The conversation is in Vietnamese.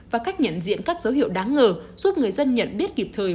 và cách nhận diện các dấu hiệu đáng ngờ giúp người dân nhận biết kịp thời